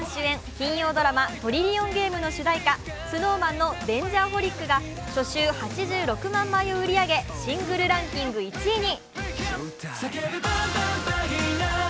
金曜ドラマ「トリリオンゲーム」の主題歌、ＳｎｏｗＭａｎの「Ｄａｎｇｅｒｈｏｌｉｃ」が初週８６万枚を売り上げシングルランキング１位に。